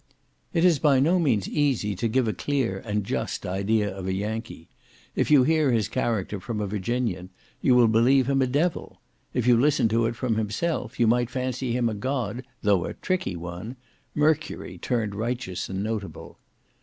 It is by no means easy to give a clear and just idea of a Yankee; if you hear his character from a Virginian, you will believe him a devil: if you listen to it from himself, you might fancy him a god—though a tricky one; Mercury turned righteous and notable.